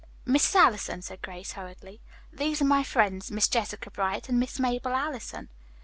"Mrs. Allison," said Grace hurriedly, "these are my friends, Miss Jessica Bright and Miss Mabel Allison."